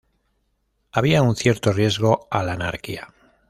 Había un cierto riesgo a la anarquía.